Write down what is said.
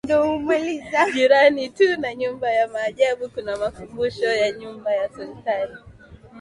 Jirani tu na Nyumba ya Maajabu kuna Makumbusho ya Nyumba ya Sultani